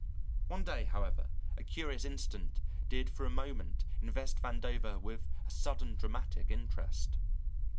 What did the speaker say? One day, however, a curious incident did for a moment invest Vandover with a sudden dramatic interest.